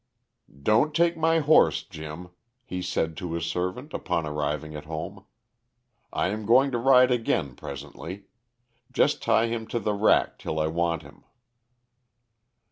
"Don't take my horse, Jim," he said to his servant upon arriving at home, "I am going to ride again presently. Just tie him to the rack till I want him."